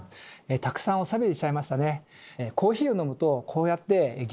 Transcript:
たくさんおしゃべりしちゃいましたね。